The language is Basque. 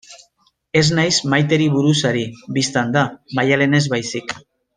Ez naiz Maiteri buruz ari, bistan da, Maialenez baizik.